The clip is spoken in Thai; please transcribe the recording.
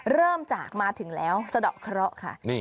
เริ่มจากมาถึงแล้วสะดอกเคราะห์ค่ะ